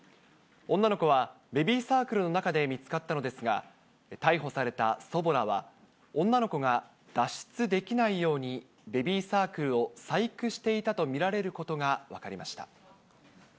女の子はベビーサークルの中で見つかったのですが、逮捕された祖母らは、女の子が脱出できないように、ベビーサークルを細工していたと見られることが分かりました。